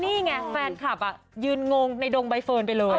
นี่ไงแฟนคลับยืนงงในดงใบเฟิร์นไปเลย